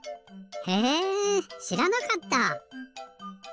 へえしらなかった！